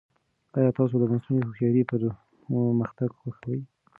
ایا تاسو د مصنوعي هوښیارۍ پرمختګ خوښوي؟